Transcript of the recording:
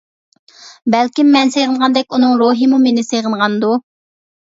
بەلكىم مەن سېغىنغاندەك ئۇنىڭ روھىمۇ مېنى سېغىنغاندۇ؟ !